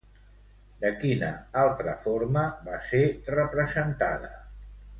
De quina altra forma va ser representada?